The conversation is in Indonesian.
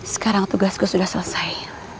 sekarang tugasku sudah selesai